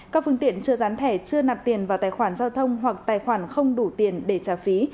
các phương tiện chưa rán thẻ chưa nạp tiền vào tài khoản giao thông hoặc tài khoản không đủ tiền để trả phí